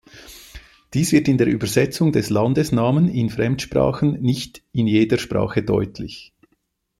Dies wird in der Übersetzung der Landesnamen in Fremdsprachen nicht in jeder Sprache deutlich.